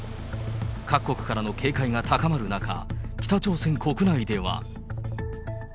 各国からの警戒が高まる中、北朝鮮国内では。